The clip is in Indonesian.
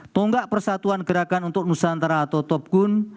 tonggak persatuan gerakan untuk nusantara atau topgun